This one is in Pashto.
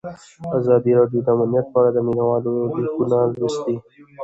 ازادي راډیو د امنیت په اړه د مینه والو لیکونه لوستي.